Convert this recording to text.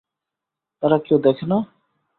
এরা কেউ দেখে না?